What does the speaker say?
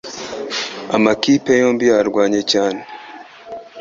Amakipe yombi yarwanye cyane